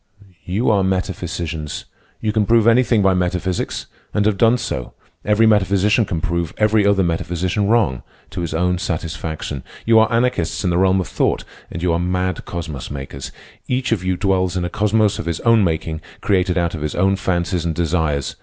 "You are metaphysicians. You can prove anything by metaphysics; and having done so, every metaphysician can prove every other metaphysician wrong—to his own satisfaction. You are anarchists in the realm of thought. And you are mad cosmos makers. Each of you dwells in a cosmos of his own making, created out of his own fancies and desires.